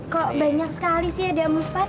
kok banyak sekali sih ada empat